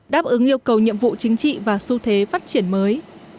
đáp ứng yêu cầu nhiệm vụ chính trị và xu thế phát triển mới